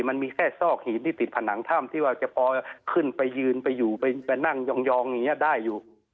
มันมีแค่ซอกหินที่ติดผนังถ้ำที่ว่าจะพอขึ้นไปยืนไปอยู่ไปนั่งยองอย่างนี้ได้อยู่